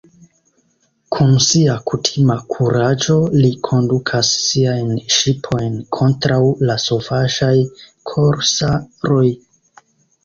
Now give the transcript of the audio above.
Kun sia kutima kuraĝo li kondukas siajn ŝipojn kontraŭ la sovaĝaj korsaroj.